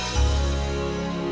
jaga dewa batara